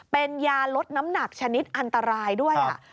เป็นยาลดน้ำหนักชนิดอันตรายด้วย